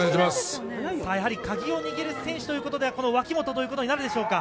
やはり鍵を握る選手ということは、この脇本ということになるでしょうか。